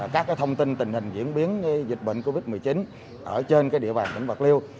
các thông tin tình hình diễn biến dịch bệnh covid một mươi chín ở trên địa bàn tỉnh bạc liêu